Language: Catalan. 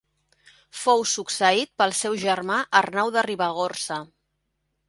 Fou succeït pel seu germà Arnau de Ribagorça.